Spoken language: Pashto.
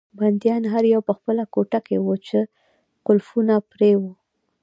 بندیان هر یو په خپله کوټه کې وو چې قلفونه پرې وو.